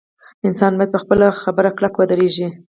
انسان باید په خپله خبره کلک ودریږي.